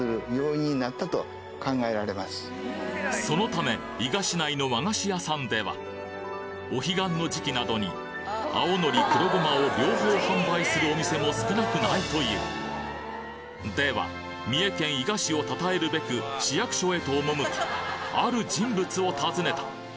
そのため伊賀市内の和菓子屋さんではお彼岸の時期などに青のりと黒ごまを両方販売するお店も少なくないというでは三重県伊賀市を称えるべく市役所へと赴きある人物を訪ねた。